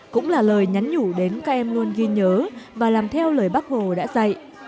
cũng là lời nhắn nhủ đến các em luôn ghi nhớ và làm theo lời bác hồ đã dạy